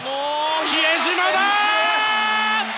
比江島だ！